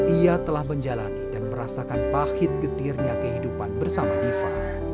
ia telah menjalani dan merasakan pahit getirnya kehidupan bersama diva